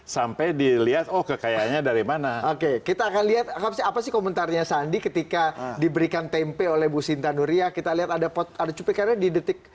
jokowi dan sandi